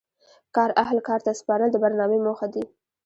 کار اهل کار ته سپارل د برنامې موخه دي.